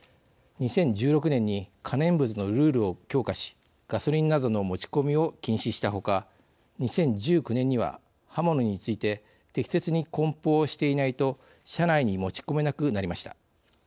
２０１６年に可燃物のルールを強化しガソリンなどの持ち込みを禁止したほか２０１９年には、刃物について適切にこん包していないと車内に持ち込めなくなりました。